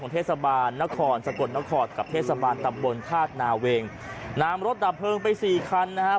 เทศบาลตำบลฆาตนาเวงนามรถดับเพลิงไป๔คันนะครับ